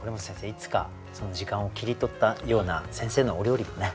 いつか時間を切り取ったような先生のお料理もね